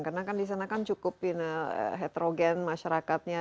karena kan disana cukup heterogen masyarakatnya